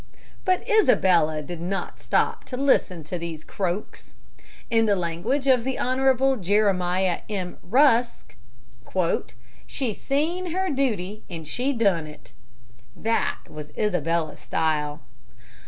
But Isabella did not stop to listen to these croaks. In the language of the Honorable Jeremiah M. Rusk, "She seen her duty and she done it." That was Isabella's style.